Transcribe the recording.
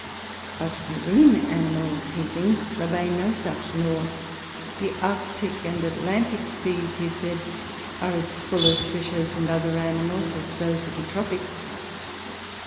But marine animals, he thinks, obey no such law. The Arctic and Atlantic seas, he says, are as full of fishes and other animals as those of the tropics.